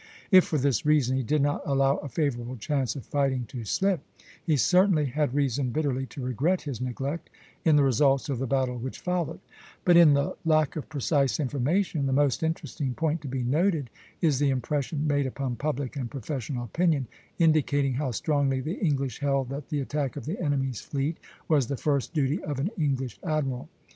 If for this reason he did allow a favorable chance of fighting to slip, he certainly had reason bitterly to regret his neglect, in the results of the battle which followed; but in the lack of precise information the most interesting point to be noted is the impression made upon public and professional opinion, indicating how strongly the English held that the attack of the enemy's fleet was the first duty of an English admiral.